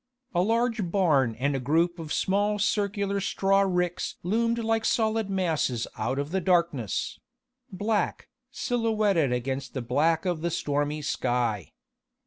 A large barn and a group of small circular straw ricks loomed like solid masses out of the darkness black, silhouetted against the black of the stormy sky.